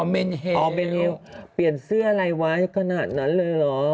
อ๋อเป็นเปลี่ยนเสื้ออะไรวะอย่างนั้นนั้นเลยหรอ